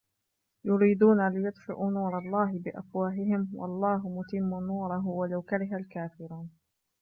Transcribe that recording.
يريدون ليطفئوا نور الله بأفواههم والله متم نوره ولو كره الكافرون